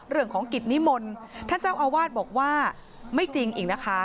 เรื่องของกิจนิมนต์ท่านเจ้าอาวาสบอกว่าไม่จริงอีกนะคะ